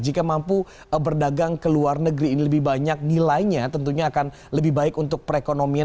jika mampu berdagang ke luar negeri ini lebih banyak nilainya tentunya akan lebih baik untuk perekonomian